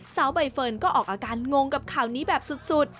สาวใบเฟิร์นก็ออกอาการงงกับข่าวนี้แบบสุด